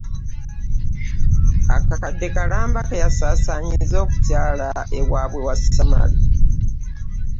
Akakadde kalamba ke yasaasaanyizza okukyala ewaabwe wa Samali.